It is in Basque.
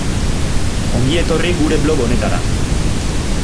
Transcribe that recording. Ongi etorri gure blog honetara.